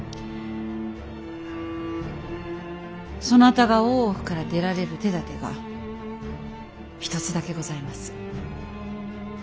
そなたが大奥から出られる手だてが一つだけございます。